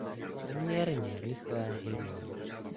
Poměrně rychle hynou.